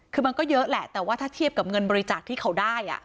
คือมันก็เยอะแหละแต่ว่าถ้าเทียบกับเงินบริจาคที่เขาได้